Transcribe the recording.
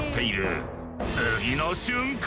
次の瞬間。